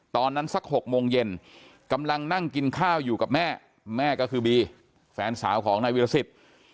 สัก๖โมงเย็นกำลังนั่งกินข้าวอยู่กับแม่แม่ก็คือบีแฟนสาวของนายวิรสิทธิ์